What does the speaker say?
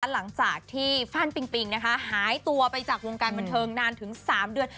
หลังจากที่ฟ่านปิงปิงหายตัวไปจากวงการบันเทิงนานถึง๓เดือน